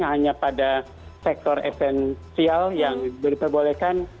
hanya pada sektor esensial yang diperbolehkan